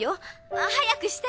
あ早くして！